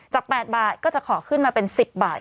จาก๘บาทก็จะขอขึ้นมาเป็น๑๐บาท